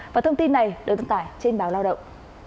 và thông tin này được đăng tải trên báo lao động